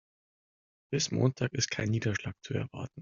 Bis Montag ist kein Niederschlag zu erwarten.